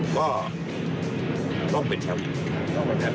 ก็ต้องเป็นแชมป์อีกนะครับ